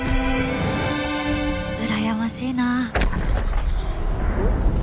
羨ましいなあ。